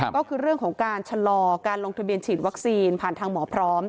ก็คือเรื่องของการชะลอการลงทะเบียนฉีดวัคซีนผ่านทางหมอพร้อม